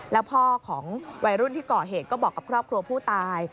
แล้วพ่อของวัยรุ่นที่ก่อเหตุก็บอกกับครอบครัวผู้ตาย